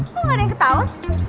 kok nggak ada yang ketaut